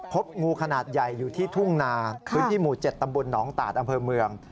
พบงูขนาดใหญ่อยู่ที่ทุ่งนาพื้นที่หมู่๗ตำบลหนองตาดอำเภอเมือง